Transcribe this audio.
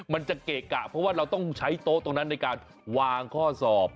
มันจะเกะกะเพราะว่าเราต้องใช้โต๊ะตรงนั้นในการวางข้อสอบ